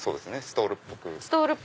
ストールっぽく。